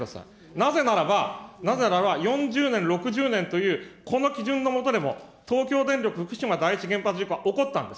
なぜならば、なぜならば、４０年、６０年というこの基準の下でも、東京電力福島第一原発事故は起こったんです。